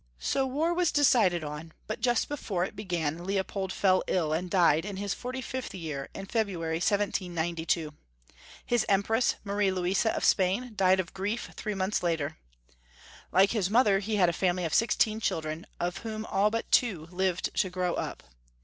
So war was decided on, but just be fore it began Leopold fell ill, and died in his 45th year, in February, 1792. His Empress, Marie Louisa of Spain, died of grief three months later. Like his mother, he had a family of sixteen chil dren, of whom ail but two lived to grow up.